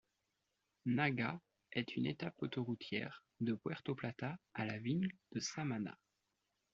Nagua est une étape autoroutière, de Puerto Plata à la ville de Samaná.